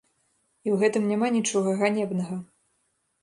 І ў гэтым няма нічога ганебнага.